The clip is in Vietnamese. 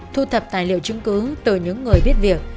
thu thập tài liệu chứng cứ từ những người biết việc